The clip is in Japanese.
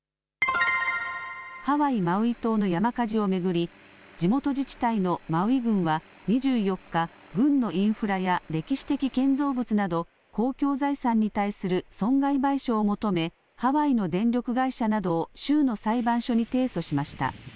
ハワイマウイ島の山火事を巡り、地元自治体のマウイ郡は２４日群のインフラや歴史的建造物など公共財産に対する損害賠償を求めハワイの電力会社などを州の裁判所に提訴しました。